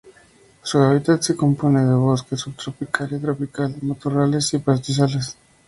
Su hábitat se compone de bosque subtropical y tropical, matorrales, y pastizales.